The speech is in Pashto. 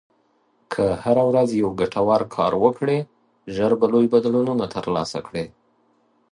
که هره ورځ یو ګټور کار وکړې، ژر به لوی بدلونونه ترلاسه کړې.